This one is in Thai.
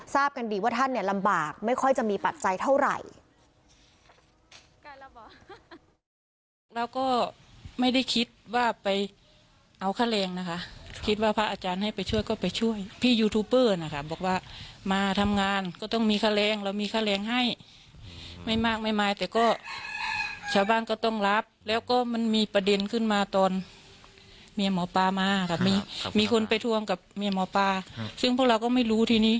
ท่านไม่ค่อยจะมีปัจจัยเท่าไหร่